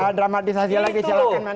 ya dramatisasi lagi silahkan